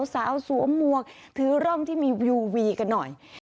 สวมมวกถือร่มที่มีวิววีกันหน่อย